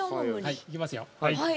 行きますよ。